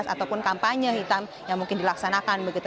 ataupun kampanye hitam yang mungkin dilaksanakan begitu